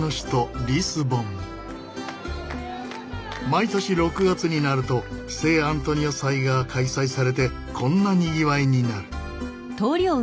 毎年６月になると聖アントニオ祭が開催されてこんなにぎわいになる。